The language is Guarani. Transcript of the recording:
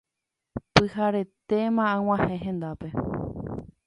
Pyharetéma ag̃uahẽ hendápe